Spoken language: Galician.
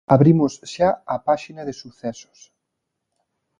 Abrimos xa a páxina de sucesos.